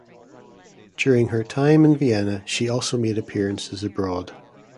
During her time in Vienna she also made appearances abroad.